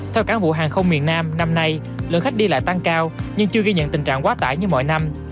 theo cán vụ hàng không miền nam năm nay lượng khách đi lại tăng cao nhưng chưa ghi nhận tình trạng quá tải như mọi năm